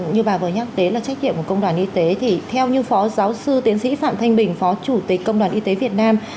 như bà vừa nhắc đến là trách nhiệm của công đoàn y tế thì theo như phó giáo sư tiến sĩ phạm thanh bình phó chủ tịch công đoàn y tế việt nam